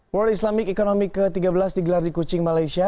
world islamic economy ke tiga belas digelar di kuching malaysia